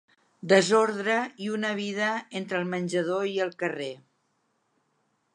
Desordre i una vida entre el menjador i el carrer.